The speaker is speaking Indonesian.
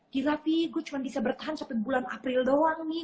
gila fi gue cuman bisa bertahan sampai bulan april doang nih